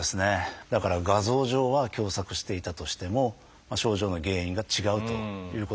だから画像上は狭窄していたとしても症状の原因が違うということはよくあります。